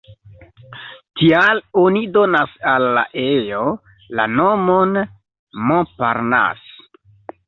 Tial oni donas al la ejo la nomon "Montparnasse.